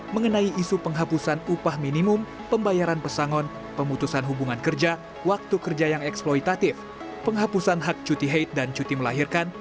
mengenai isu penghapusan upah minimum pembayaran pesangon pemutusan hubungan kerja waktu kerja yang eksploitatif penghapusan hak cuti haid dan cuti melahirkan